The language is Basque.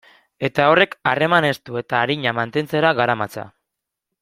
Eta horrek harreman estu eta arina mantentzera garamatza.